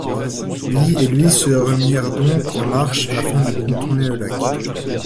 Lî et lui se remirent donc en marche afin de contourner le lac.